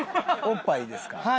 おっぱいですか？